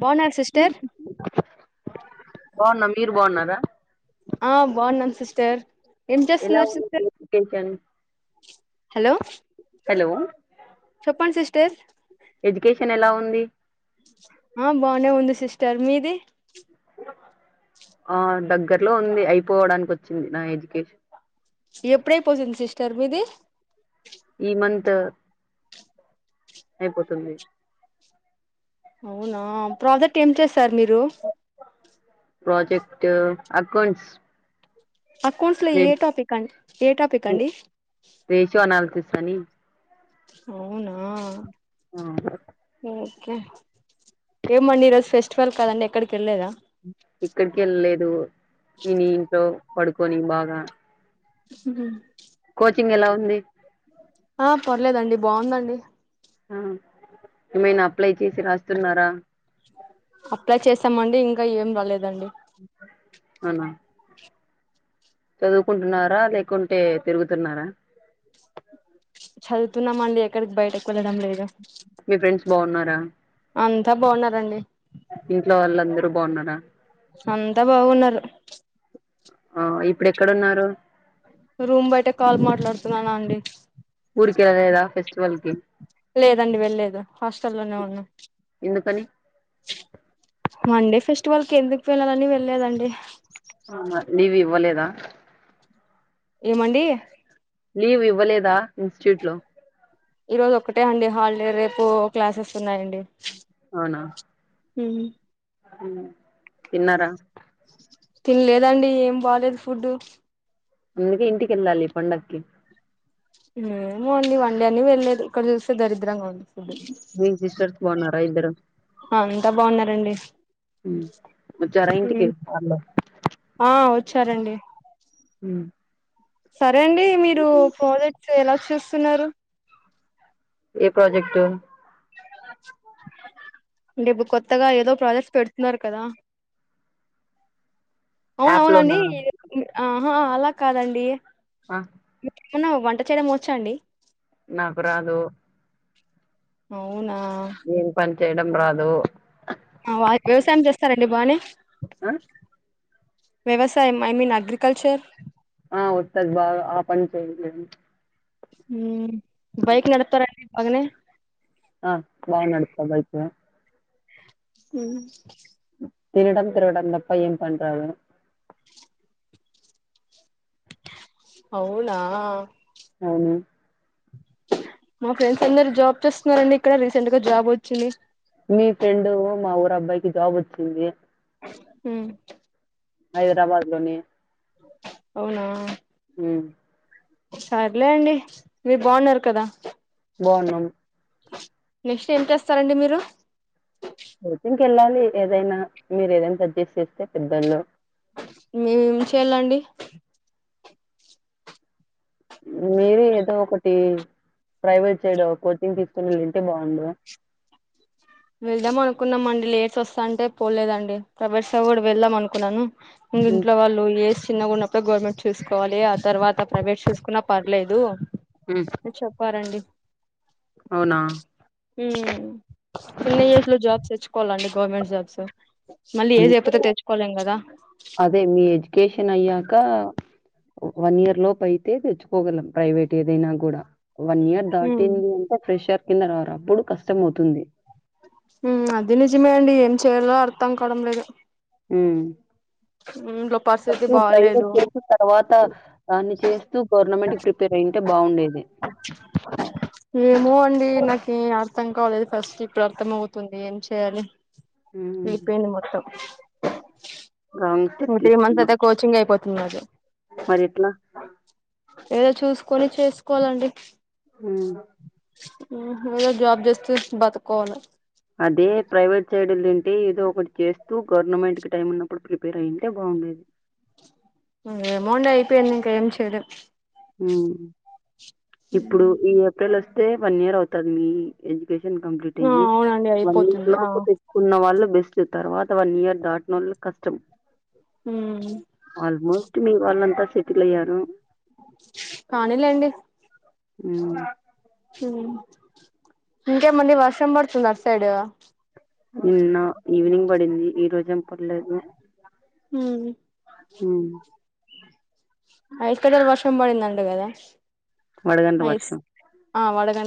బాగున్నారు సిస్టర్ బాన్న మీరు బాన్నారా ఆ బాగునం సిస్టర్ ఏం చేస్తున్నారు సిస్టర్ కేకన్ హలో చెప్పడి సిస్టర్స్ ఎడ్యుకేషన్ ఎలా ఉంది ఆ బానే ఉంది సిస్టర్ మీది ఆ దగ్గర్లో ఉంది అయిపోవడానికి వచ్చింది నా ఎడ్యుకేష ఎప్పుడైపోతుంది సిస్టర్ మీది ఈ మంత్ అయిపోతుంది అవునా ప్రాజక్ట్ ఏం చేసరు మీరు ప్రాజెక్ట్ అకౌంట్స్ అకౌంట్స్ లో ఏ టాపిక్ అం ఏ టాపిక్ అండి రేషియో అనాలిసిస్ అని అవునా ఆ కే ఏమండి ఈ రోజు ఫెస్టివల్ కాదండి ఎక్కడిక్ ఎక్కడికి వెళ్ళలేదు తిని ఇంట్లో పడుకొని బాగా మ్ ంగ్ ఎలా ఉంది ఆ పర్లేదండి బాగుందండి ఆ ఏమైనా అప్లై చేసి రాస్తున్నారా అప్లై చేసామండి ఇంకా ఏం రాలేదండి అవునా చదువుకుంటున్నారా లేకుంటే తిరుగుతున్నారా చదువుతున్నామండి ఎక్కడికి బయటికి వెళ్ళడం లేదు మీ ఫ్రెండ్స్ బాగున్నారా అంతా బాగున్నరండి ఇంట్లో వాళ్ళందరు బాగున్నారా అంతా బాగున్నారు ఆ ఇప్పుడు ఎక్కడున్నారు రూమ్ బయట కాల్ మాట్లాడుతున్నానండి ఊరికెల్లా లేదా ఫెస్టివల్కి లేదండి వెళ్లేదు హాస్టల్లోనే ఉన్నా ఎందుకని మండే ఫెస్టివల్ కి ఎందుకు వెళ్ళాలని వెళ్ళలేదండి అవునా లీవ్ ఇవ్వలేదా ఏమండీ లీవ్ ఇవ్వలేదా ఇన్స్టిట్యూట్లో ఈరోజు ఒక్కటే అండి హాలిడే రేపు క్లాసెస్ ఉన్నాయండి అవునా మ్ తిన్నారా తినలేదండి ఏం బాగాలేదు ఫుడ్డు అందుకే ఇంటికేళ్ళాలి పండక్కి ఏమో అండి వన్డే అని వెళ్ళలేదు ఇక్కడ చూస్తే దరిద్రంగా ఉంది ఫుడ్ మీ సిస్టర్స్ బాగున్నారా ఇద్దరు అంతా బాగున్నారండి మ్ వచ్చారా ఇంటికి వాళ్లు ఆ వచ్చారండి మ్ సరే అండి మీరు ప్రాజెక్ట్స్ ఎలా చూస్తున్నారు ఏ ప్రాజెక్ట్ అంటే ఇప్పుడు కొత్తగా ఏదో ప్రాజెక్ట్స్ పెడుతున్నారు కదా యాప్ అవునవునండి లోనా ఆహా అలా కాదండి అ యునో వంట చేయడం వచ్చండి నాకు రాదు అవునా ఏం పని చేయడం రాదు ఆ వ్యవసాయం చేస్తారండి బానే ఆ వ్యవసాయం ఐ మీన్ అగ్రికల్చర్ ఆ వస్తది బాగా ఆ పని చేయలేను హ బైక్ నడుపుతారండి బాగానే ఆ బాగా నడుపుతా బైకు ఊ తినడం తిరగడం తప్ప ఏం పని రాదు అవునా అవును మా ఫ్రెండ్స్ అందరూ జాబ్ చేస్తున్నారండి ఇక్కడ రీసెంట్ గా జాబ్ వచ్చింది మీ ఫ్రెండ్ మా ఊరు అబ్బాయికి జాబ్ వచ్చింది ఊ హైదరాబాద్ లోని అవునా ఉ సర్లే అండి మీరు బాగున్నారు కదా బాగున్నాం నెక్స్ట్ ఏం చేస్తారండి మీరు కెల్లాలి ఏదైనా మీరు ఏదైనా సజెస్ట్ చేస్తే పెద్దోళ్ళు మేమేం చేయాలండి మీరే ఏదో ఒకటి ప్రైవేటు సైడు కోచింగ్ తీసుకొని వెళ్ళి ఉంటే బాగుండు వెళ్దాం అనుకున్నాము అండి లెట్స్ వస్తా ఉంటే పోలేదు అండి ప్రవేట్ సైడ్ కూడా వెళ్దాం అనుకున్నాను ఈ ఉమ్ ఇంట్లో వాళ్ళు ఏజ్ చిన్న ఉన్నప్పుడు గవర్నమెంట్ చూసుకోవాలి అద్ తర్వాత ప్రవేట్ చేసుకున్నా పర్లేదు అని చెప్పారండి అవునా ఉమ్ చిన్న ఏజ్ లో జాబ్స్ తెచ్చుకోవాలండి గవర్నమెంట్ జాబ్స్ మళ్లీ ఏజ్ అంటే అయిపోతే తెచ్చుకోలేము కదా టిన్ అయ్యాక వన్ ఇయర్ లోపు అయితే తెచ్చుకోగలం ప్రైవేట్ ఏదైనా కూడా వన్ ఇయర్ ఉమ్ దాటింది అంటే ఫ్రెష్యర్ కింద రారు అప్పుడు కష్టం అవుతుంది అది నిజమే అండి ఏం చేయాలో అర్థం కావడం లేదు ఊ ఇంట్లో పరిస్థితి ఫస్టు ట్రై బాలేదు చేసిన తర్వాత దాన్ని చేస్తూ గవర్నమెంట్ కి ప్రిపేర్ అయింటే బాగుండేది ఏమో అండి నాకి ఏం అర్థం కాలేదు ఫస్ట్ ఇప్పుడు అర్థం అవుతు తుంది ఏం చేయాలి హ్మ్. విడిపోయింది మొత్తం రాంగ్ స్టెప్ లో టీ మంత్స్ అయితే కోచింగ్ అయిపోతుంది నాది మరి ఎట్లా ఏదో చూసుకొని చేసుకోవాలండి ఊ ఊహు ఇగ జాబ్ జేస్తూ బతుకోవాలే అదే ప్రైవేట్ సైడ్ ఎల్లుంటే ఏదో ఒకటి చేస్తూ గవర్నమెంట్ కి టైం ఉన్నప్పుడు ప్రిపేర్ అయింటే బాగుంది ఉన్నది ఊ ఏమో అండి అయిపోయింది ఇంకా ఏం చేయలేం ఊ ఇప్పుడు ఈ ఏప్రిల్ వస్తే వన్ ఇయర్ అవుతంది మీ పెశేన్ కంప్లీట్ ఆ అయి అవునండి వన్ ఇయర్ అయిపోతుంది ఆ లోపు తెచ్చుకున్న వాళ్ళు బెస్ట్ తర్వాత వన్ ఇయర్ దాటన కష్టం ఉమ్ ఆల్మోస్ట్ మీ వాళ్ళంతా సెటిల్ అయ్యారు కానీలేండి హ్మ్. ఇంకే మంది వర్షం బర్తుంది నర్సైడ్ నిన్న ఈవినింగ్ పడింది ఈ రోజ ఏం పర్లేదు హ హ అయిస్ కదలు వర్షం పడిందం కదా వడగండ్ల వర్షం వడక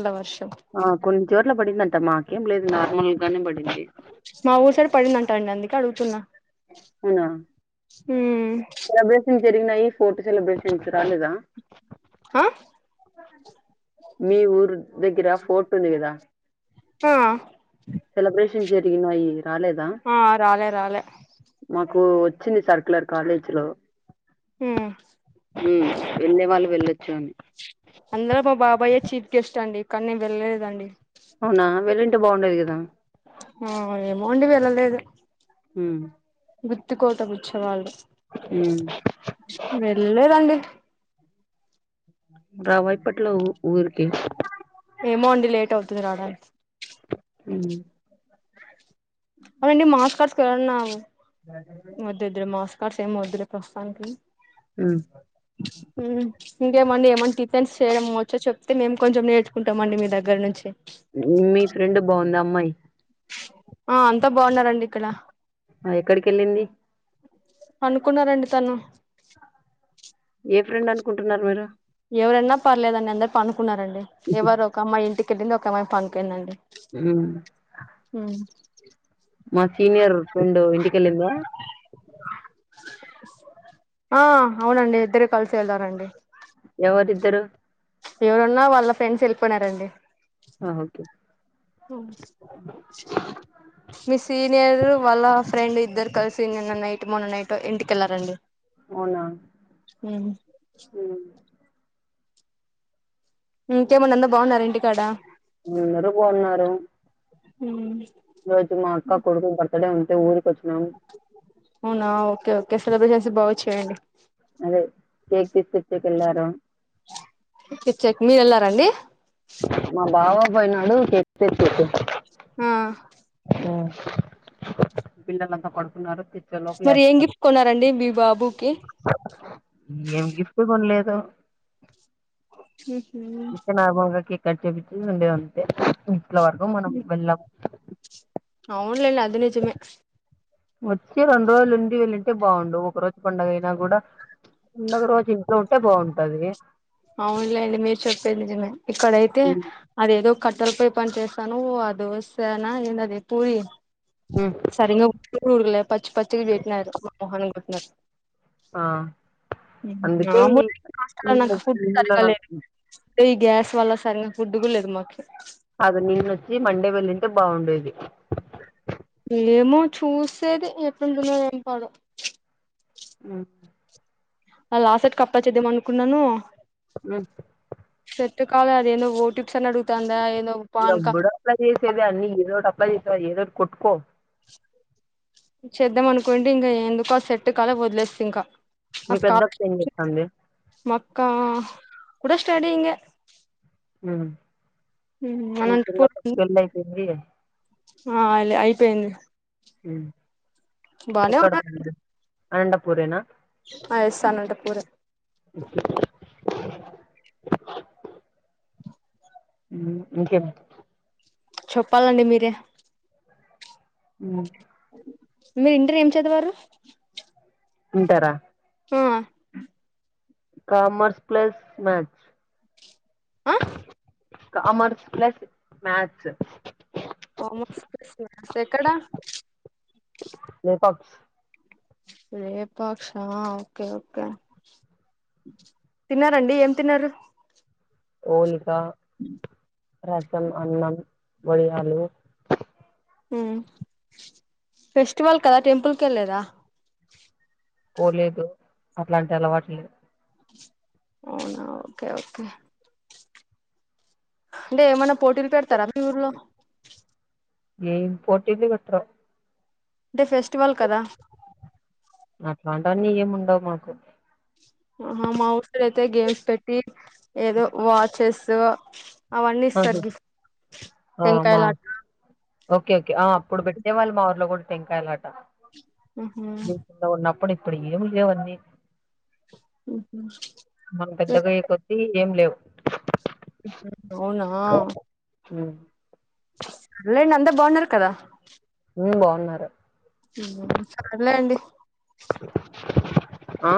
ఆ కొంచ జోర్లా పడిందంట మా ఏం లేదు నార్మల్గానే పడింది అడుగుతున్న అవునా ప్రైవేట్ జరిగినా ఈ ఫోటో సెలబ్రేషన్ ఇ రాలేద హ మీ ఊరు దగ్గర ఫోటోలువదా ఆ సెలబ్రేషన్ జరిగిన ఈ ఆ రాలే రాలే నాకు వచ్చింది సర్కులర్ కాలేజ్ లో ఉమ్ వెళ్ళే వాళ్ళు వెళ్ళొచ్చు అని అందరు మా బాబాయ్య చీఫ్ గెస్ట్ అండి ఇక్కడ నేను వెళ్ళలేదండి అవునా వెళ్ళంటే బాగుండేది కదా ఆ ఏమో అండి వెళ్లలేదు హ గుర్తుకోట పుచ్చేవాళ్ళు ఉమ్ వెళ్ళదండి రా వైప్పట్లోఊ ఊరికే ఏమో అండి లేట్ అవుతుంది రావడానికి అ అవుండి మ మాస్ కడుస్కు వెన్నాము క్కడస్ ఏం వద్దులే ప్రస్తుతానికి ఇంకేమండి ఏమ ఫ్రెన్స్ చేయడంమవచ్చ చెప్తేే కొంచెం నేర్చుకుామండి మీ దగ్గర నుంచి ఉమ్ మీ ఫ్రెండ్ బాగుందా అమ్మాయి ఆ అంతా బాగున్నారంండి ఇక్కడ ఆ ఎక్కడికి వెళ్ళింది అనుకున్నారండి తను ఏ ఫ్రెండ్ అనుకుంటున్నారు మీరు ఎవరైన్నా పర్లేదు అని అందరు పనుకున్నారండి ఎవరు ఒక అమ్మాయి ఇంటికిెళ్ళింది ఒక అమ్మాయి పనుకుయిందండి హ ఫ్రెండ్ ఇంటికెళ్ళిందా ఆ అవునండి ఇద్దరు కలిసి వెళ్దారంండి ఎవరుద్దరు ఎవరున్నా వాళ్ళ ఫ్రెండ్స్ వెళ్ళిపోన్నారండి ఆ ఓకే ఓ మీ సీనియర్ వాళ్ళ ఫ్రెండ్ ఇద్దరు కలిసి నిన్న నైట్ మొన్న నైట్ ఇంటికెళ్ళారంండి అవునా ఇంకేమడి అందా బాగున్నారు ఇంటికాడ అందరూ బాగున్నారు హ ఈ రోజు మా అక్క కొడుకురు బర్తడే ఉంత ఊరికి వచ్చ అవునా ఓకే ఓకే సెలబ్రేట్ చేసి బాగాచ్చేయండి అదే కేక్ తీస్కెళ్ళారు ఇచ్చక్ మీర్ వెళ్లారండి మా బావ పోయినాడు చర్చికి ఆ ఓ పిల్లలంతా పడుకున్నారు తెచ్చే లోపలే మరి ఏం వేస్తారు గిఫ్ట్ కొన్నారండి మీ బాబుకి ఏం గిఫ్ట్ కొనలే సో ఇంట్లో నార్మల్గా కేక్ కట్ చేపిచ్చి ఉండే అంతే ఇంట్లో వరకు మనం వెళ్ళాము అవునులేండి అది నిజమే వచ్చి రెండు రోజులు నుండి వెళ్ళింటే బాగుండు ఒక రోజు పండుగ అయినా కూడా పండగ రోజు ఇంట్లో ఉంటే బాగుంటది అవునులేండి మీరు చెప్పేది నిజమే ఇక్కడైతే అది ఏదో కట్ తల పయి పని చేస్తాను ఆ దోసనా ఏందది పూరి హ్మ్. సరిగా ఉప్పుగుల్లె పచ్చి పచ్చిగా చేసినారు మా మోహన్ కొట్టినారు ఆ అందుకే మామూలు హాస్టల్లో నిన్న నాకు ఫుడ్ నిన్న సరిగా లేదు ఈ గ్యాస్ వల్ల సరిగా ఫుడ్ కూడా లేదు మాకు కాదు నిన్నొచ్చి మండే వెళ్ళింటే [inaudible] ఏమో చూసేది ఎట్లుంటానో ఏం పాడో ఆ ఆ లాసెట్ కు అప్లై చేద్దామనుకున్నాను ఉ ఎట్టు కాలే అది ఏంది ఓటి అప్లై చేసేది అన్ని ఏదో ఒకటి అప్లై చేసే ఏదోటి కోట్కో చేద్దాం అనుకోండి ఇంగా ఎందుకో సెట్ కాలే వదిలేస్తి ఇంకా మీ పెద్దక్క ఏం చేత్తాంది కా కూడా స్టడీంగే ఉ మా అనంతపూర్ చెల్లికి పెళ్ళి అయిపోయింది ఆ అయిపోయింది ఉమ్ బానే ఉన్నారు అనంతపూరేనా ఆ ఎస్ అనంతపురే [inaudible] ఉ ఇంకేమిటి చెప్పాలండి మీరే ఉ మీరు ఇంటర్ ఏం చదివారు ఇంటరా ఆ కామర్స్ ప్లస్ మ్యాచ్ ఆ commerce plus maths commerce plus maths ఎక్కడా లేపాక్స్ లేపాక్ష ఓకే ఓకే తిన్నారండి ఏం తిన్నారు ఓలికా రసం, అన్నం, వడియాలు ఉ ఫెస్టివల్ కదా టెంపుల్ కెళ్ళేదా పోలేదు అట్లాంటి అలవాట్లేదు అవునా ఓకే ఓకే అంటే ఏమన్నా పోటీలు పెడతారా మీ ఊర్లో ఏం పోటీలు పెట్రు అంటే ఫెస్టివల్ కదా అట్లాంటివన్నీ ఏముండవు మాకు ఆ మా ఊరి కాడ అయితే గేమ్స్ పెట్టి ఏదో వాచెస్ అవన్నీ ఇస్తారు ఆగు గిఫ్ట్ ఆ మా టెంకాయలాట ఓకే ఓకే ఆ అప్పుడు పెట్ ఏ మళ్ళ మా ఊర్లో కూడా టెంకాయలాట మ్ హు నేను చిన్నగా ఉన్నప్పుడు ఇప్పుడు ఏం లేవు అవన్నీ మ్ హు మనం పెద్దగా అయ్యే కొద్ది ఏం లేవు అవునా ఉ లేండి అంతా బాగున్నారు కదా ఉమ్ బాగున్నారు ఉమ్ సర్లే అండి ఆ